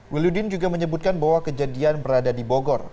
wil yudin juga menyebutkan bahwa kejadian berada di bogor